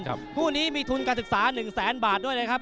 คู่นี้มีทุนการศึกษาหนึ่งแสนบาทด้วยนะครับ